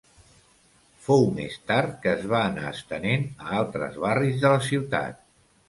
Fou més tard que es va anar estenent a altres barris de la ciutat.